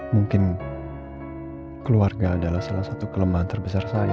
mungkin keluarga adalah salah satu kelemahan terbesar saya